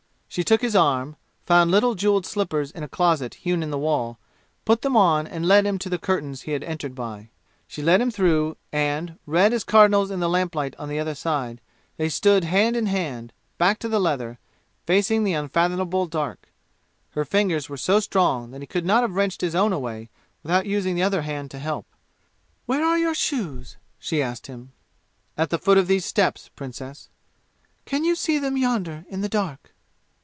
She took his arm found little jeweled slippers in a closet hewn in the wall put them on and led him to the curtains he had entered by. She led him through them, and, red as cardinals in lamplight on the other side, they stood hand in hand, back to the leather, facing the unfathomable dark. Her fingers were so strong that he could not have wrenched his own away without using the other hand to help. "Where are your shoes?" she asked him. "At the foot of these steps, Princess." "Can you see them yonder in the dark?"